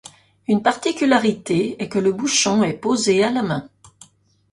Une particularité est que le bouchon est posé à la main.